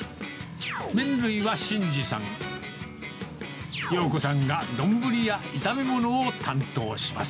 麺類は慎司さん、洋子さんが丼や炒め物を担当します。